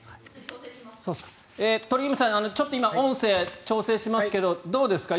鳥海さん、ちょっと今音声を調整しますがどうですか？